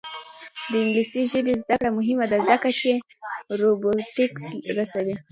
د انګلیسي ژبې زده کړه مهمه ده ځکه چې روبوټکس رسوي.